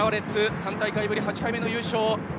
３大会ぶり８回目の優勝へ。